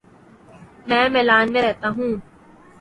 میں میلان میں رہتا ہوں